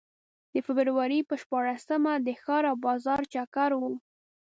د فبروري په شپاړسمه د ښار او بازار چکر و.